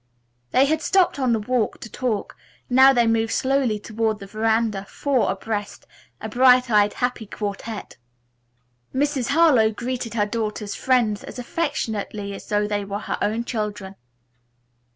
They had stopped on the walk to talk, now they moved slowly toward the veranda, four abreast, a bright eyed, happy quartette. Mrs. Harlowe greeted her daughter's friends as affectionately as though they were her own children.